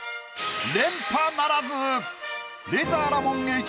連覇ならずレイザーラモン・ＨＧ